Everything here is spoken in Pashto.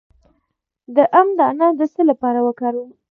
د ام دانه د څه لپاره وکاروم؟